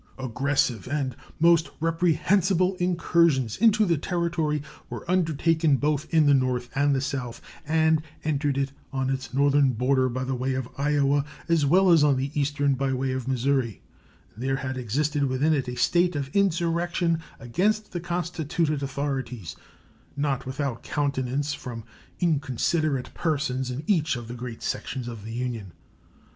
Aggressive and most reprehensible incursions into the Territory were undertaken both in the North and the South, and entered it on its northern border by the way of Iowa, as well as on the eastern by way of Missouri; and there has existed within it a state of insurrection against the constituted authorities, not without countenance from inconsiderate persons in each of the great sections of the Union.